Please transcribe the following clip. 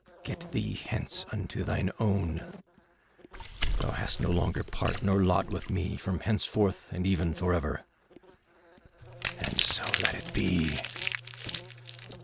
Get thee hence unto thine own; thou hast no longer part nor lot with me from henceforth and even forever. And so let it be."